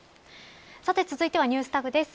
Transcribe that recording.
さて、続いてはＮｅｗｓＴａｇです。